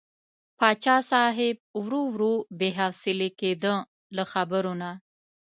پاچا صاحب ورو ورو بې حوصلې کېده له خبرو نه.